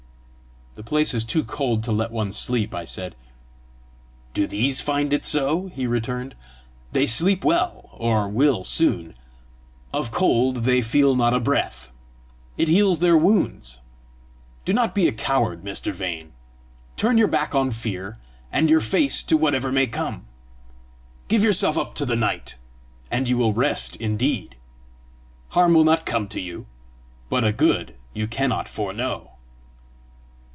"The place is too cold to let one sleep!" I said. "Do these find it so?" he returned. "They sleep well or will soon. Of cold they feel not a breath: it heals their wounds. Do not be a coward, Mr. Vane. Turn your back on fear, and your face to whatever may come. Give yourself up to the night, and you will rest indeed. Harm will not come to you, but a good you cannot foreknow."